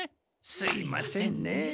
すいませんねえ。